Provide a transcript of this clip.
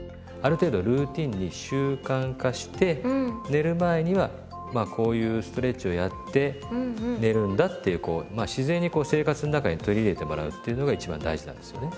寝る前にはこういうストレッチをやって寝るんだっていう自然にこう生活の中に取り入れてもらうっていうのが一番大事なんですよね。